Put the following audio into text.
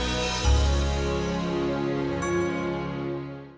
bisa diomelin sama karin gue kalo telat